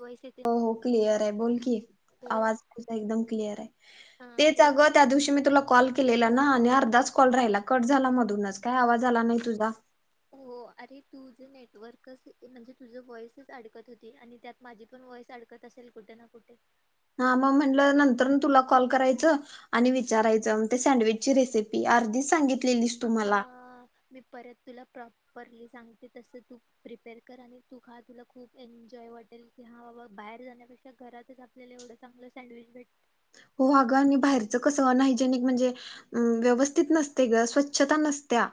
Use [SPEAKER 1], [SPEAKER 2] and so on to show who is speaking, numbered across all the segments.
[SPEAKER 1] Voice येते
[SPEAKER 2] हो-हो, clear आहे बोल की
[SPEAKER 1] बोल
[SPEAKER 2] आवाज
[SPEAKER 1] ना
[SPEAKER 2] तुझा एकदम क्लिअर आहे
[SPEAKER 1] हा
[SPEAKER 2] तेच
[SPEAKER 1] बोल
[SPEAKER 2] अंग त्या दिवशी मी तुला कॉल केलेला ना आणि अर्धाच कॉल राहिला कट झाला मधूनच काय आवाज आला नाही तुझा
[SPEAKER 1] हो, अरे तुझ नेटवर्कच म्हणजे तुझं व्हॉइसच अडकत होती आणि त्यात माझी पण व्हॉईस अडकत असेल कुठे ना कुठे
[SPEAKER 2] हा मग म्हंटलं नंतरन तुला कॉल करायचं आणि विचारायचं ते सँडविच ची रेसिपी अर्धीच सांगितलेलीस तु
[SPEAKER 1] हा
[SPEAKER 2] मला
[SPEAKER 1] मी परत तुला प्रॉपरली सांगते तस तू प्रिपेअर कर आणि तू खा तुला खूप एन्जॉय वाटेल की हा बाबा बाहेर जाण्यापेक्षा घरातच आपल्याला एवढं चांगलं सँडविच भेट
[SPEAKER 2] हो अगं आणि बाहेरचं कसं अनहायजेनिक म्हणजे हम्म, व्यवस्थित नसतयं गं स्वच्छता नसत्या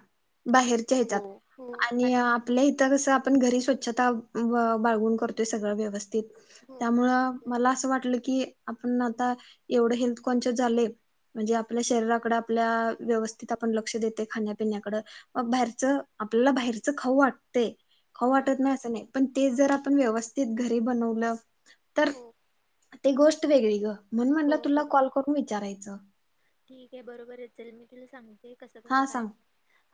[SPEAKER 2] बाहेरच्या
[SPEAKER 1] हो
[SPEAKER 2] हेच्यात
[SPEAKER 1] हो
[SPEAKER 2] आणि
[SPEAKER 1] कारण
[SPEAKER 2] लय इथं कसं आपण घरी स्वच्छता ब-बाळगून करतोय सगळं व्यवस्थित
[SPEAKER 1] हो
[SPEAKER 2] त्यामुळ
[SPEAKER 1] बरोबर बोल
[SPEAKER 2] मला असं वाटलं की आपण आता एवढं हेल्थ कॉन्शयस झालोय म्हणजे आपल्या शरीराकड आपल्या व्यवस्थित आपण लक्ष देतोय खाण्यापिण्याकड अं बाहेरच आपल्याला बाहेरचं खाऊ वाटतंय खाऊ
[SPEAKER 1] हा
[SPEAKER 2] वाटत नाही असं नाही पण ते जर आपण व्यवस्थित घरी बनवलं तर
[SPEAKER 1] हो
[SPEAKER 2] ते गोष्ट वेगळी गं म्हणून म्हणलं
[SPEAKER 1] हो
[SPEAKER 2] तुला
[SPEAKER 1] बरोबर
[SPEAKER 2] कॉल करून विचारायचं.
[SPEAKER 1] ठीक आहे, बरोबर आहे, चल मी तुला सांगते कसं-कसं
[SPEAKER 2] हा
[SPEAKER 1] काय
[SPEAKER 2] सांग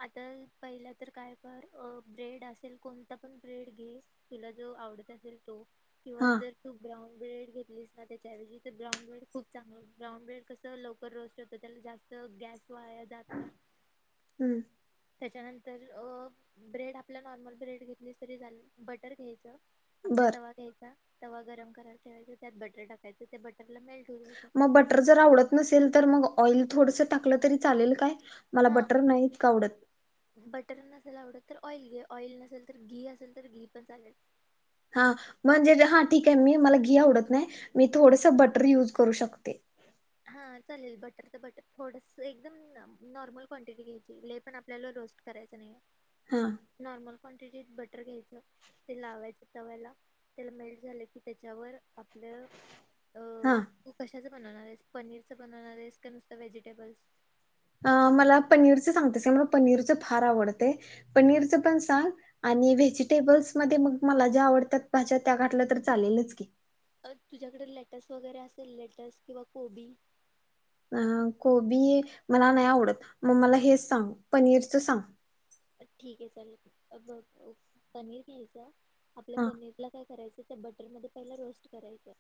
[SPEAKER 1] आता पहिला तर काय कर अ ब्रेड असेल कोणत पण ब्रेड घे, तुला जो आवडत असेल तो किंवा
[SPEAKER 2] हा
[SPEAKER 1] जर तू ब्राऊन ब्रेड घेतलीस ना त्याच्याऐवजी तर ब्राऊन ब्रेड खूप चांगलं ब्राउन ब्रेड कसं लवकर रोस् तसं त्याला जास्त गॅस वाया जात ना
[SPEAKER 2] हम्म
[SPEAKER 1] त्याच्यानंतर अ ब्रेड आपला नॉर्मल ब्रेड घेतलीस तरी झाल बटर घ्यायचं आपला
[SPEAKER 2] बर.
[SPEAKER 1] तवा घ्यायचा तवा गरम करायला ठेवायचा. त्यात बटर टाकायचं, त्या बटरला मेल्ट होऊ द्यायचं.
[SPEAKER 2] म बटर जर आवडत नसेल तर मग ऑइल थोडस टाकलं तरी चालेल काय? मला
[SPEAKER 1] हा
[SPEAKER 2] बटर नाही इतक आवडत.
[SPEAKER 1] बटर नसेल आवडत तर ऑइल घे. ऑइल नसेल तर घी असेल तर घी पण चालेल.
[SPEAKER 2] हा म्हणजे हा ठीके मी मला घी आवडत नाही मी थोडसं बटर युज करू शकते.
[SPEAKER 1] हा चालेल बटर त बटर थोडस एकदम नॉर्मल क्वांटिटी घ्यायची लइ पण आप आपल्याला रोस्ट करायचं नईये.
[SPEAKER 2] हा.
[SPEAKER 1] नॉर्मल क्वांटिटीत बटर घ्यायचं. ते लावायच तव्याला तेल मेल्ट झालं की त्येच्यावर आपलं अ
[SPEAKER 2] हां.
[SPEAKER 1] तू कशाचं बनवणारयस पनीरच बनवणारयस का नुसत व्हेजिटेबल्स.
[SPEAKER 2] अं मला पनीरचं सांगतेस मला पनीरचं फार आवडतंय. पनीरचं पण सांग, आणि व्हेजिटेबल्स मध्ये मग मला ज्या आवडत्यात भाज्या त्या घाटल्या तर चालेलच की
[SPEAKER 1] अ तुझ्याकडे लेटस वगैरे असेल लेटस किंवा कोबी
[SPEAKER 2] अं कोबी मला नाय आवडत मग मला हेच सांग पनीरचं सांग.
[SPEAKER 1] ठीके चालेल अबग अ पनीर घ्यायचं आपल्या
[SPEAKER 2] हा
[SPEAKER 1] पनीरला काय करायचं. [unintelligible] बटर मध्ये पहिला रोस्ट करायचं.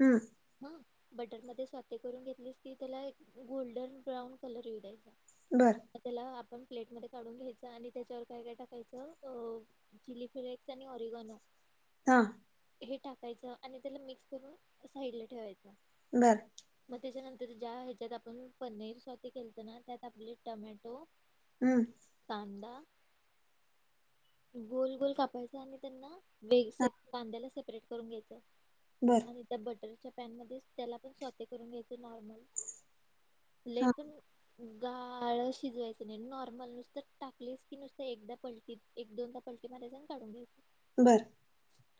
[SPEAKER 2] हम्म.
[SPEAKER 1] हा बटर मध्ये स्वाते करून घेतलीस कि त्याला एक गोल्डन ब्राऊन कलर येऊ द्यायचा.
[SPEAKER 2] बरं.
[SPEAKER 1] [unintelligible] त्याला आपण प्लेटमध्ये काढून घ्यायच आणि त्याच्यावर काय काय टाकायचं अं चिली फ्लेक्स आणि ओरिगोनो
[SPEAKER 2] [unintelligible]
[SPEAKER 1] हे टाकायचं आणि त्याला मिक्स करून साइडला ठेवायचं.
[SPEAKER 2] बरं.
[SPEAKER 1] मग त्याच्यानंतर ज्या ह्याच्यात आपण पनीर स्वते केलत ना त्यात आपले टमॅटो
[SPEAKER 2] अं
[SPEAKER 1] कांदा-गोल गोल कापायचा आणि त्यांना
[SPEAKER 2] हा
[SPEAKER 1] [unintelligible] कांद्याला सेपरेट करून घ्यायचं.
[SPEAKER 2] बरं.
[SPEAKER 1] आणि त्या बटरच्या पॅनमध्येच त्याला पण स्वते करून घ्यायच नॉर्मल लई
[SPEAKER 2] हा
[SPEAKER 1] पण गाळ शिजवायचं नई नॉर्मल नुसतं टाकलीस की नुसत एकदा पलटी एक दोनदा पल्टी मारायच अन काडून घ्यायच.
[SPEAKER 2] बरं.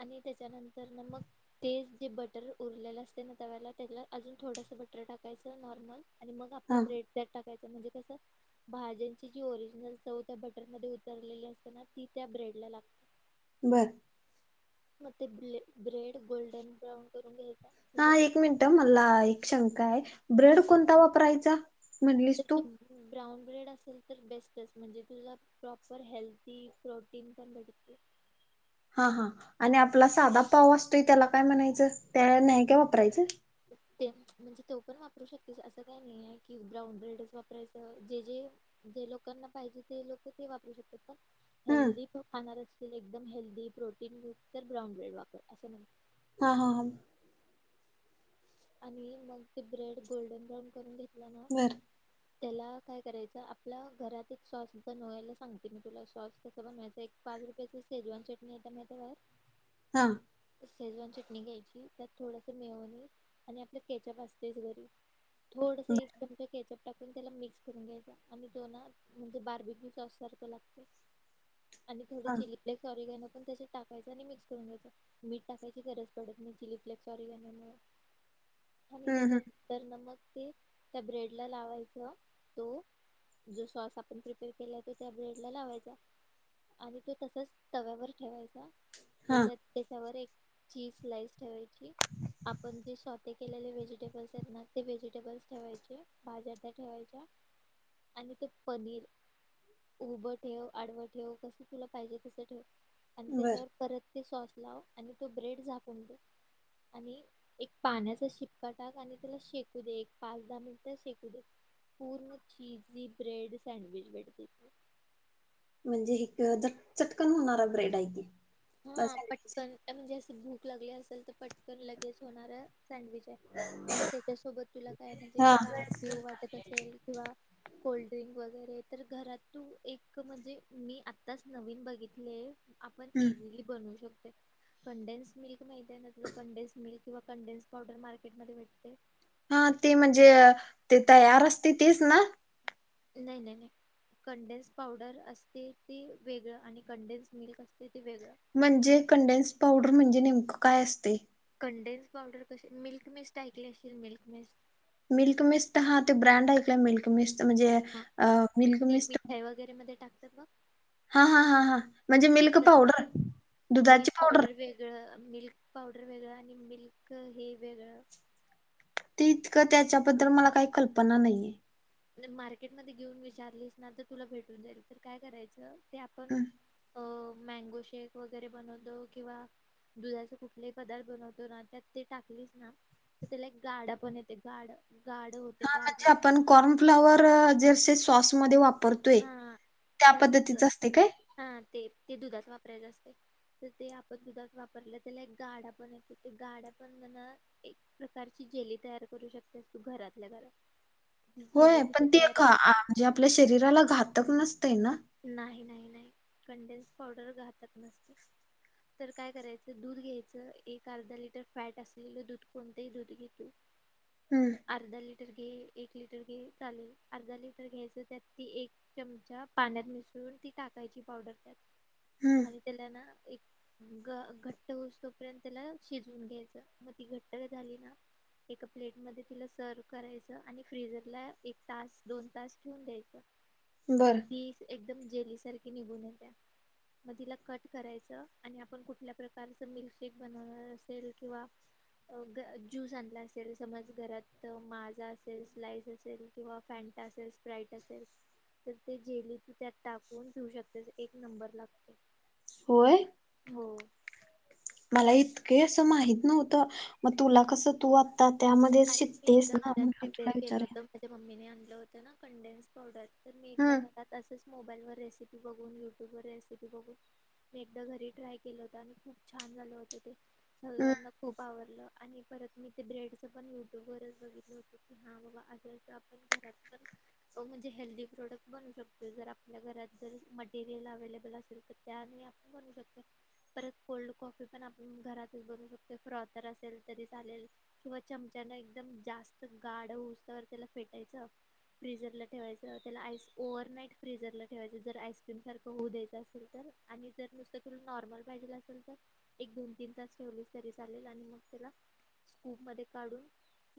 [SPEAKER 1] आणि त्याच्यानंतर न मग तेच जे बट तर उरलेलं असते ना तव्याला, त्याला अजून थोडंसं बटर टाकायचं, नॉर्मलऽ आणि मग आपला
[SPEAKER 2] हा
[SPEAKER 1] ब्रेड त्यात टाकायच, म्हणजे कसं भाज्यांची जी ओरिजिनल चव त्या बटर मध्ये उतरलेली असते ना, ती त्या ब्रेडला लागते. [inaudible]
[SPEAKER 2] बरं.
[SPEAKER 1] म ते ब्रेड, गोल्डन ब्रौन करून घेयचं.
[SPEAKER 2] हा एक मिनिट मला एक शंका आहे, ब्रेड कोणता वापरायचा, म्हटलीस तू?
[SPEAKER 1] ब्राऊन ब्रेड असेल तर बेस्टच, म्हणजे तुझा प्रॉपर हेल्दी प्रोटीन पण भेडते.
[SPEAKER 2] हा हा, आणि आपला साधा पाव असतोय त्याला काय म्हणायचं त्या नाही काय वापरायचं.
[SPEAKER 1] अ ते, म्हणजे तो पण वापरू शकतेस असं काही नाही आहे. की ब्राऊन ब्रेडच वापरायचं जे जे. जे लोकांना पाहिजे ते लोक ते वापरू शकतात पण
[SPEAKER 2] हम्म
[SPEAKER 1] हेल्दी प खाणार असतील एकदम हेल्दी प्रोटीन तर ब्राउन ब्रेड वापर असं म्हण.
[SPEAKER 2] हा हा हा,
[SPEAKER 1] आणि मग ते ब्रेड गोल्डन ब्राउन करून घेतला ना.
[SPEAKER 2] बर
[SPEAKER 1] त्याला काय करायचं आपल्या घरात एक सॉस बनवायला सांगते मी तुला सॉस कसं बनवायचं एक. पाच रुपयाची सेजवान चटणी एत्या माहितय बाळ.
[SPEAKER 2] हा,
[SPEAKER 1] सेजवान चटणी घ्यायची त्यात थोडसं मेयोनिज. आणि आपलं केचप असतेच घरी थोडस एक
[SPEAKER 2] बर
[SPEAKER 1] चमचा केचप. टाकून त्याला मिक्स करून घ्यायचा आणि तोन म्हणजे बार्बिकु सॉसारखं लागत. आणि थोड
[SPEAKER 2] हा
[SPEAKER 1] चिली फ्लेक्स ऑ रीगॅनो पण त्याच्यात टाकायचं आणि मिक्स करून घ्यायचं. मीठ टाकायची गरज पडत नाही चिली फ्लेप व ऑरीगॅनो मुळ. आणि
[SPEAKER 2] हम्म हम्म
[SPEAKER 1] त्याच्यानंतर ना मग ते त्या ब्रेडला लावायचं तो. जो सॉस आपण प्रिपेअर केलाय तो त्या ब्रेड लावायचा. आणि तो तसच तव्यावर ठेवायचा.
[SPEAKER 2] हा
[SPEAKER 1] त्याच्यात त्याच्यावर एक चीज स्लाइस ठेवायची आपण जे शॉ''--'' ते केलेले व्हेजिटेबल्स आहेत ना ते व्हेजिटेबल्स ठेवायचे भाज्या ठेवायच्या. आणि ते पनीर. उभं ठेव आडवं ठेव कसं तुला पाहिजेसं ठेव. आणि
[SPEAKER 2] बर
[SPEAKER 1] त्याच्यावर परत ते सॉस लाव आणि तो ब्रेड झाकून दे आणि. एक पाण्याचा शिपका टाक आणि त्याला शेकू दे एक पाच दहा मिनिट शेकू दे. पूर्ण चीजी ब्रेड सँडविच भेटतेत.
[SPEAKER 2] म्हणजे हीत झ चटकन होणारा ब्रेड आहे की. अ,
[SPEAKER 1] हा
[SPEAKER 2] सँडविच.
[SPEAKER 1] पटकन म्हणजे असं भूक लागली असेल तर पटकन लगेच होणार सँडविच आहे. आणि त्याच्यासोबत तुला काय म्हणजे
[SPEAKER 2] हा
[SPEAKER 1] गार पिऊ वाटत असेल किंवा. कोल्ड्रिंक वगैरे तर घरात तू एक म्हणजे मी आत्ताच नवीन बघितले. आपण
[SPEAKER 2] हम्म.
[SPEAKER 1] इझिली बनवू शकतोय. कंडेन्स मिल्क माहिती आहे ना तुला कंडेन्स मिल्क किंवा कंडेनस पावडर मार्केटमध्ये भेटतय.
[SPEAKER 2] हा, ते म्हणजे ते तयार असतय तीच ना.
[SPEAKER 1] नाही नाही नाही. कंडेन्स पावडर असते ते वेगळं आणि कंडेन्स मिल्क असते ते वेगळं.
[SPEAKER 2] म्हणजे कंडेन्स पावडर म्हणजे नेमकं काय असतय?
[SPEAKER 1] कंडेन्स पावडर कसे मिल्क मिस्ट ऐकली असशील मिल्क मिस्ट.
[SPEAKER 2] मिल्क मिस्ट हा ते ब्रँड हाय काय मिल्क मिस्ट म्हणजे मिल्क मिस्ट.
[SPEAKER 1] य वगैरेमध्ये टाकतात बग.
[SPEAKER 2] हा हा हां हां, म्हणजे मिल्क
[SPEAKER 1] तस
[SPEAKER 2] पावडर दुधाची पावडर.
[SPEAKER 1] वेगळं मिल्क पावडर वेगळं आणि मिल्क हे वेगळं.
[SPEAKER 2] ते इतकं त्याच्याबद्दल मला काही कल्पना नाहीये.
[SPEAKER 1] मार्केटमध्ये घेऊन विचारलीस ना तर तुला भेटून जाईल तर काय करायचं ते आपण.
[SPEAKER 2] हं.
[SPEAKER 1] हो मॅगो शेक वगैरे बनवतो किंवा. दुधाचा कुठलेही पदार्थ बनवतो ना त्यात ते टाकलीच ना. तिथं त्याला एक गाडा पण येते गाड गाड होते गाड
[SPEAKER 2] पण कॉर्नफ्लावर जेसे सॉसमध्ये वापर
[SPEAKER 1] हा तस हा ते ते दुधात वापरायच असते. तर ते आपण दुधात वापरलं त्याला एक गाडा पण येतो ते गाड्या पण म्हण एक प्रकारची जेली तयार करू शकतेस तू घरातल्या घरात ती जेली
[SPEAKER 2] होय पण
[SPEAKER 1] कशी
[SPEAKER 2] ते
[SPEAKER 1] तयार
[SPEAKER 2] का म्हणजे आपल्या शरीराला घातक नसतंय ना?
[SPEAKER 1] नाही नाही नाही कंडेन्स पावडर घातक नसते. तर काय करायचं दूध घ्यायचं एक अर्धा लिटर फॅट असलेलं दूध कोणतंही दूध घेतो [inaudible]
[SPEAKER 2] हम्म!
[SPEAKER 1] अर्धा लिटर घे एक लिटर घे चालेल अर्धा लिटर घ्यायचं त्यात ती एक चमचा पाण्यात मिसळून ती टाकायची पावडर
[SPEAKER 2] हम्म
[SPEAKER 1] त्यात आणि त्याला ना एक ग घट्ट होऊस तोपर्यंत त्याला शिजवून घ्यायचं मग ती घट्ट झाली ना एका प्लेट मध्ये तिला सर्व करायचं आणि फ्रीिझरला एक तास दोन तास ठेवून द्यायचं
[SPEAKER 2] बर!
[SPEAKER 1] की एकदम जेली सारखी निघून येत्या. म तिला कट करायचं आणि आपण कुठल्या प्रकारच मिल्कशेक बनवणार असेल किंवा अ ग ज्युस आणला असेल समज घरात माझा असेल स्लाईस असेल किंवा फँ- टा असेल स्प्राईट असेल तर ते जेली तु त्यात टाकून ठेऊ शकतेस एक नंबर लागते.
[SPEAKER 2] होय?
[SPEAKER 1] हो!
[SPEAKER 2] मला इतके असं माहित नव्हतं म तुला कसं तु ता त्यामध्ये
[SPEAKER 1] आणि मी
[SPEAKER 2] शितेस
[SPEAKER 1] एकदा
[SPEAKER 2] ना
[SPEAKER 1] घरात
[SPEAKER 2] म्हण्टलं तुला
[SPEAKER 1] प्रिपेअर केलं
[SPEAKER 2] विचारय
[SPEAKER 1] होतं माझ्या मम्मीने आणलं होतं ना कंडेन्स पावडर तर मी एकदा
[SPEAKER 2] हम्म
[SPEAKER 1] घरात अस तस मोबाईलवर रेसिपी बघून युट्यूब वर रेसिपी बघून मी एकदा घरी ट्राय केलं होत आणि खूप छान झालं होत ते
[SPEAKER 2] हम्म
[SPEAKER 1] सगळ्यांना खूप आवडलं आणि परत मी ते ब्रेड ते पण यूट्यूब वरच बघितलं होत की हा बाबा असेच आपण घरात पण अ म्हणजे हेल्दी प्रोडक्ट बनवू शकतो जर आपल्या घरात जर मटेरियल अवेलेबल असेल तर त्याने आ बनवू शकते. परत कोल्ड कॉफी पण आपण घरातच बनवू शकतो फ्रॉथर असेल तरी चालेल. किंवा चमचान एकदम जास्त गाढ उसार त्याल फेटायचं. फ्रीझरला ठेवायचं त्याला आईस ओव्हरनाईट, फ्रीझरला ठेवायचं जर आईस्क्रीम सारखं होऊ द्यायचं असेल तर आणि जर नुसतं तुला नॉर्मल पाहिजेल असेल तर? एक दोन तीन तास ठेवलीच तरी चालेल आणि मग त्याला कूप मध्ये काढून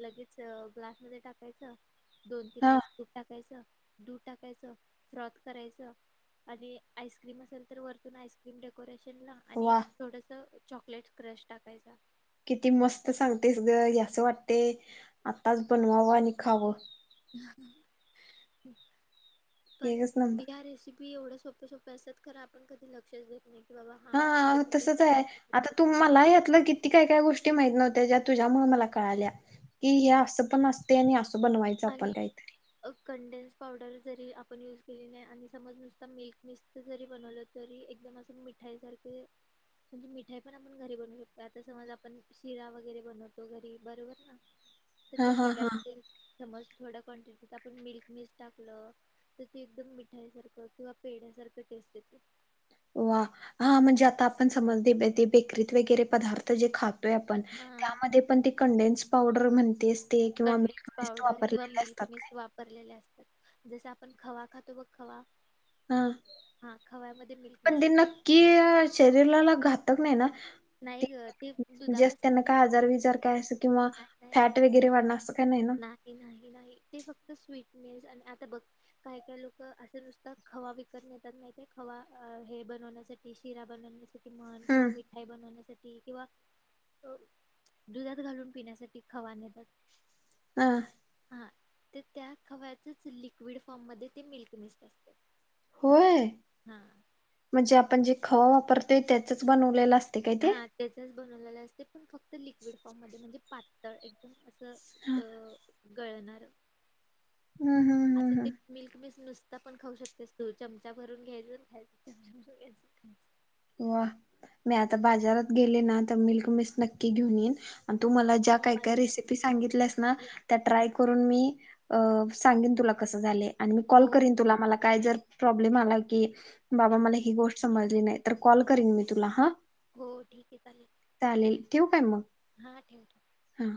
[SPEAKER 1] लगेच ग्लासमध्ये टाकायचं दोन तीन
[SPEAKER 2] हा
[SPEAKER 1] आईस तूप टाकायचं दूध टाकायचं फ्रॉथ करायचं आणि आइस्क्रीम असेल तर वरतून आईस्क्रीम डेकोरेशन ला आणि
[SPEAKER 2] वा
[SPEAKER 1] थोडस चॉकलेट क्रश टाकायचा
[SPEAKER 2] किती मस्त सांगतेस ग असं वाटते आताच बनवावं आणि खावं.
[SPEAKER 1] पण
[SPEAKER 2] एकच नंबर
[SPEAKER 1] या रेसिपी पी एवढं सोपे सोपे असत्यात खरं आपण कधी लक्षच देत नाही. की बाबा आते
[SPEAKER 2] हा
[SPEAKER 1] पण
[SPEAKER 2] तसच
[SPEAKER 1] रेसिपी
[SPEAKER 2] आहे
[SPEAKER 1] असू
[SPEAKER 2] आता
[SPEAKER 1] शकतात
[SPEAKER 2] तु
[SPEAKER 1] म्हणून.
[SPEAKER 2] मला ह्यातलं की ती काय काय गोष्टी माहित नव्हत्या ज्या तुझ्यामुळे मला कळाल्या की हे असं पण अस ते नाही असं बनवायचं आपण
[SPEAKER 1] आणि
[SPEAKER 2] काहीतरी
[SPEAKER 1] कंडेन्स पावडर जरी आपण यूज केलेली नाही आणि समज नुसत मिल्क मिक्स जरी बनवलं जरी एकदम अस मिठाईसारख म्हणजे मिठाई पण आपण घरी बनवू शकतो. आता समज आपण शिरा वगैरे बनवतो घरी बरोबर ना तर
[SPEAKER 2] हा
[SPEAKER 1] ते
[SPEAKER 2] हा
[SPEAKER 1] शीरा
[SPEAKER 2] हा
[SPEAKER 1] मध्ये समज थोड्या कॉन्टिटीत आपण मिल्क मिस टाकलं तर ते एकदम मिठाईसारखं किंवा पेढ्यासारखं टेस्ट येते
[SPEAKER 2] वा हा म्हणजे आता आपण समज बेकरीत वगैरे पदार्थ जे खात
[SPEAKER 1] हा
[SPEAKER 2] त्यामध्ये पण त कंडेनस पावडर म्हणतीस
[SPEAKER 1] कंडेनस पावडर किंवा मिल्क मिस्ट
[SPEAKER 2] काय
[SPEAKER 1] वापरलेले असतात जस आपण खवा खातो बघ खवा
[SPEAKER 2] हा
[SPEAKER 1] हा खव्यामध्ये मिल्क नस
[SPEAKER 2] कि शरीराला घातक नाही ना
[SPEAKER 1] नाही ग ते
[SPEAKER 2] जे अस त्यांना
[SPEAKER 1] दुधापासून
[SPEAKER 2] काय आजार विजार काय असं किंवा
[SPEAKER 1] नाही
[SPEAKER 2] फॅट वगैरे वाढणं असं काही नाही ना
[SPEAKER 1] ये नाही, नाही ते फक्त स्वीटनेस आणि आता बघ काही, काही लोक असे नुसत खवा विकत नेतात नाही ते खवा हे बनवण्यासाठी शिरा बनवण्यासाठी मन किंवा
[SPEAKER 2] हम्म
[SPEAKER 1] मिठाई बनवण्यासाठी किंवा दुधात घालून पिण्यासाठी खावा नेतात
[SPEAKER 2] हा
[SPEAKER 1] हा तर त्या खव्याचच लिक्विड फॉर्म मध्ये ते मिल्क मिस्ट असतय
[SPEAKER 2] होय! म्हणजे आपण जे खवा वापरतोय त्याचच बनवलेलं असते काय ते?
[SPEAKER 1] त्याचाच बनवलेला असते पण फक्त लिक्विड फर्म मध्ये म्हणजे पातळ एकदम
[SPEAKER 2] हम्म
[SPEAKER 1] अ गळणार
[SPEAKER 2] हम्म
[SPEAKER 1] असं
[SPEAKER 2] हम्म
[SPEAKER 1] ते
[SPEAKER 2] हम्म
[SPEAKER 1] मिल्क मिस्ट नुसता पण खाऊ शकतेस तू चमचा भरून घ्यायच खायच चमचा भरून घ्यायचं
[SPEAKER 2] वा मी आता बाजारात गेले ना तर मिल्क मिस्ट नक्की घेऊन येईन तू मला ज्या
[SPEAKER 1] हो
[SPEAKER 2] काय, काय
[SPEAKER 1] पाहिजे
[SPEAKER 2] रेसिपी
[SPEAKER 1] तर
[SPEAKER 2] सांगितल्यास ना त्या ट्राय करून मी सांगेन तुला कसं झालंय. आणि मी कॉल
[SPEAKER 1] हो
[SPEAKER 2] करीन तुला मला काय जर प्रॉब्लेम आला की बाबा मला ही गोष्ट समजली नाही तर कॉल करीन मी तुला हा
[SPEAKER 1] हो ठीक आहे चालेल
[SPEAKER 2] चालेल ठेवू काय मग
[SPEAKER 1] हा ठेव की
[SPEAKER 2] हा